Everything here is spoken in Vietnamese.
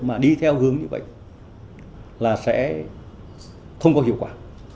mà đi theo hướng như vậy là sẽ không có hiệu quả